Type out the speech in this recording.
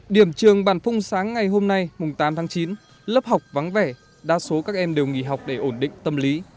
điểm trường bản phung sáng ngày hôm nay mùng tám tháng chín lớp học vắng vẻ đa số các em đều nghỉ học để ổn định tâm lý